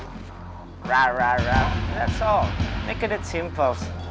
itu saja buatlah itu sederhana